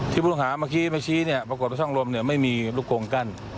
ผู้ต้องหาเมื่อกี้มาชี้เนี่ยปรากฏว่าช่องลมเนี่ยไม่มีลูกกงกั้น